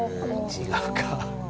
違うか。